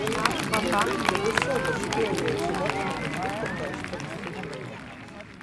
Tei biļde vysod ir stuoviejuse vacmamys bufetā storp styklim.